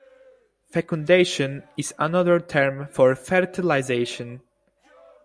"Fecundation" is another term for fertilization.